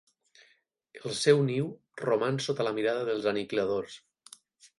El seu niu roman sota la mirada dels Aniquiladors.